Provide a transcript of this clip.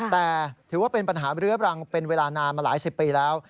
แต่ถือว่าเป็นปัญหาเรื้อบรังเป็นเวลานานมาหลายสิบปีแล้ว